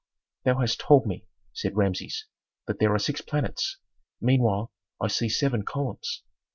"Thou hast told me," said Rameses, "that there are six planets; meanwhile I see seven columns."